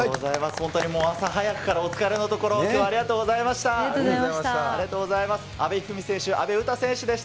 本当にもう朝早くからお疲れのところ、どうもありがとうござありがとうございました。